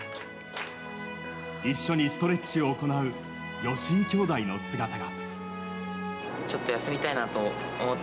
一緒にストレッチを行う吉居兄弟の姿が。